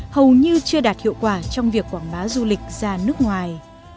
hầu như chưa đạt hiệu quả trong việc quảng bá du lịch ra nước ngoài